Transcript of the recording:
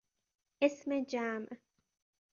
اسم جمع